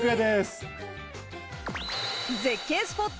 絶景スポット